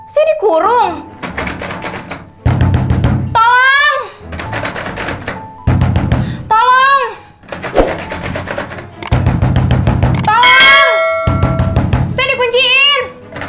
sedih kurung tolong tolong tolong sedih kunciin